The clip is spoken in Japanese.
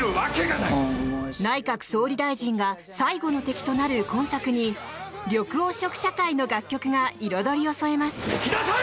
内閣総理大臣が最後の敵となる今作に緑黄色社会の楽曲が彩りを添えます。